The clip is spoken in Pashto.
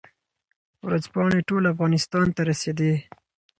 ورځپاڼې ټول افغانستان ته رسېدې.